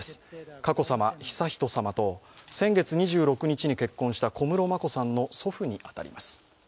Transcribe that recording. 佳子さま、悠仁さまと、先月２６日に結婚した小室眞子さんの祖父に当たります。